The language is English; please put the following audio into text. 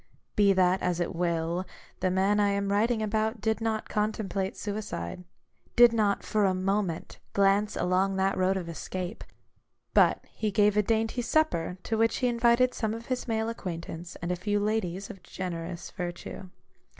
Be that as it will, the man I am writing about did not contemplate suicide ; did not, for a moment, glance along that road of escape. But he gave a dainty supper, to which he invited some of his male acquaintance, and a few ladies of generous virtue.